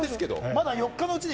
まだ４日のうちに。